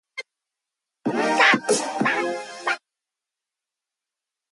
Influences from the literature of that time can be seen.